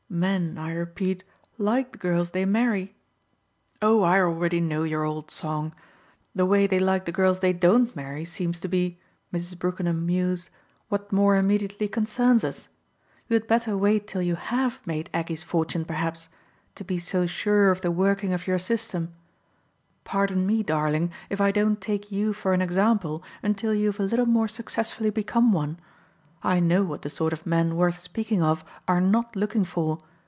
Men, I repeat, like the girls they marry " "Oh I already know your old song! The way they like the girls they DON'T marry seems to be," Mrs. Brookenham mused, "what more immediately concerns us. You had better wait till you HAVE made Aggie's fortune perhaps to be so sure of the working of your system. Pardon me, darling, if I don't take you for an example until you've a little more successfully become one. I know what the sort of men worth speaking of are not looking for.